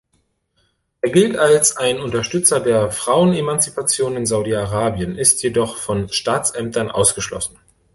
Er gilt als ein Unterstützer der Frauenemanzipation in Saudi-Arabien, ist jedoch von Staatsämtern ausgeschlossen.